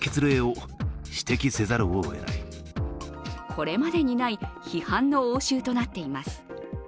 これまでにない批判の応酬となっています。